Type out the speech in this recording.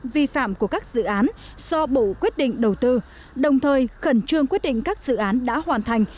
vi phạm của các dự án do bộ quyết định đầu tư đồng thời khẩn trương quyết định các dự án đã hoàn thành